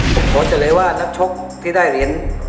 ผมขอเฉลยว่านักชกที่ได้เหรียญ